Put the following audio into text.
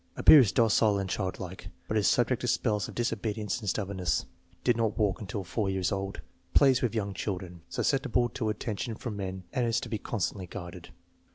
Appears docile and childlike, but is subject to spells of disobedience and stubbornness. Did not walk until 4 years old. Plays with young children. Sus ceptible to attention from men and has to be constantly guarded.